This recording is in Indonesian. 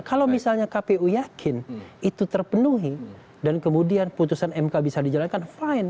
kalau misalnya kpu yakin itu terpenuhi dan kemudian putusan mk bisa dijalankan fine